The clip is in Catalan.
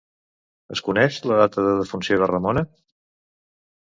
Es coneix la data de defunció de Ramona?